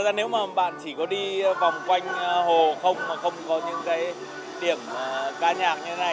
thật ra nếu mà bạn chỉ có đi vòng quanh hồ không mà không có những cái điểm ca nhạc như thế này